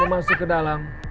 mau masuk ke dalam